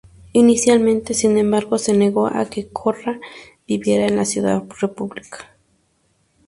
Inicialmente, sin embargo, se negó a que Korra viviera en Ciudad República.